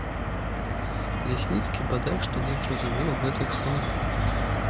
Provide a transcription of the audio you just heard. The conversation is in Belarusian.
Лясніцкі бадай што не зразумеў гэтых слоў.